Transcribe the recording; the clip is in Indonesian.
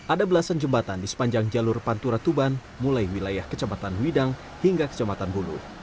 ada belasan jembatan di sepanjang jalur pantura tuban mulai wilayah kecamatan widang hingga kecamatan bulu